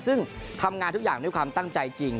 ซึ่งทำงานทุกอย่างด้วยความตั้งใจจริง